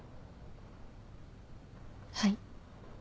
はい。